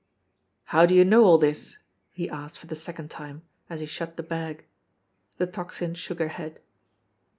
"How do you know all this ?" he asked for the second time, as he shut the bag. The Tocsin shook her head.